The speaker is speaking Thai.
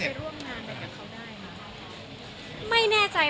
ได้ร่วมกันให้เค้าได้ป่ะ